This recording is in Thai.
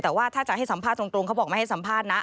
แต่ว่าถ้าจะให้สัมภาษณ์ตรงเขาบอกไม่ให้สัมภาษณ์นะ